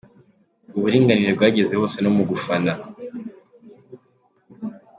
Uburinganire bwageze hose no mu gufana.